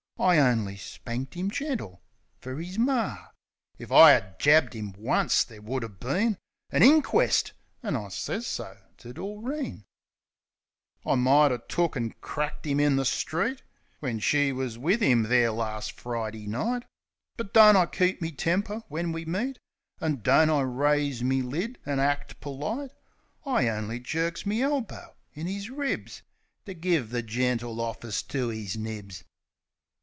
I only spanked 'im gentle, fer 'is mar. If I'd 'a' jabbed 'im once, there would 'a' been An inquest; an' I sez so to Doreen. I mighter took an' cracked 'im in the street. When she was wiv 'im there lars' Fridee night. But don't I keep me temper when we meet? An' don't I raise me lid an' act perlite? I only jerks me elbow in 'is ribs, To give the gentle office to 'is nibs.